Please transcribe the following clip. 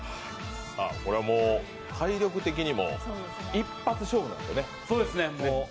これはもう体力的にも一発勝負なんですね。